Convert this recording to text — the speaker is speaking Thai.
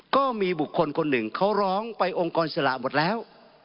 ก็มีบุคคลคนหนึ่งเขาร้องไปองค์กรอิสระหมดแล้ว